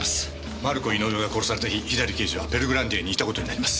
マルコ・イノウエが殺された日左刑事はペルグランディアにいた事になります。